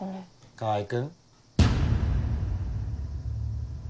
川合君。